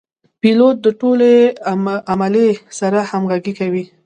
پیلوټ د ټول عملې سره همغږي کوي.